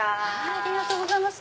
ありがとうございます。